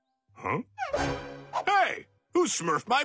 ん。